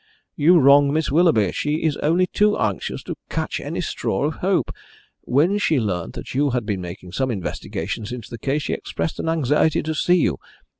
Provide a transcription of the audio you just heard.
"You wrong Miss Willoughby. She is only too anxious to catch at any straw of hope. When she learnt that you had been making some investigations into the case she expressed an anxiety to see you.